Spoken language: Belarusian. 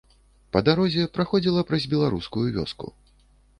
Па дарозе праходзіла праз беларускую вёску.